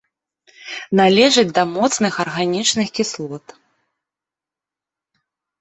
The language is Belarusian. Належыць да моцных арганічных кіслот.